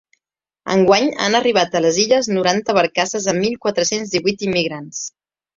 Enguany han arribat a les Illes noranta barcasses amb mil quatre-cents divuit immigrants.